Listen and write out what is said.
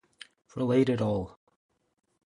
Relate it all.